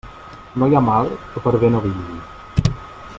No hi ha mal que per bé no vingui.